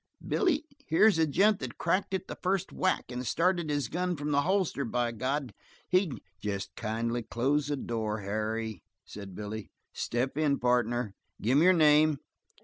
"Billy, here's a gent that cracked it the first whack and started his gun from the leather, by God. He " "Jest kindly close the door, Harry," said Billy. "Step in, partner. Gimme your name?"